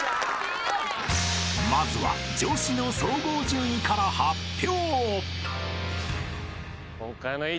［まずは女子の総合順位から発表］